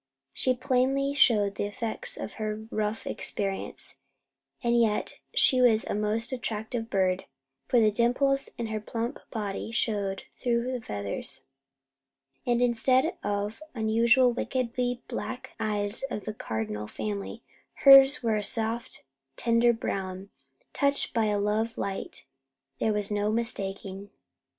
She plainly showed the effects of her rough experience, and yet she was a most attractive bird; for the dimples in her plump body showed through the feathers, and instead of the usual wickedly black eyes of the cardinal family, hers were a soft tender brown touched by a love light there was no mistaking.